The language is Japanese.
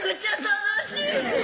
楽しいか？